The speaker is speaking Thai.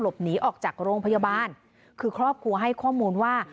หนีออกจากโรงพยาบาลคือครอบครัวให้ข้อมูลว่า